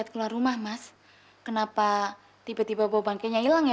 kamu kepfikir iban